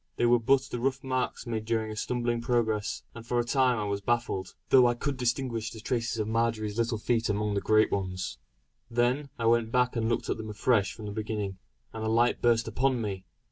They were but the rough marks made during a stumbling progress; and for a time I was baffled; though I could distinguish the traces of Marjory's little feet amongst the great ones. Then I went back and looked at them afresh from the beginning, and a light burst upon me.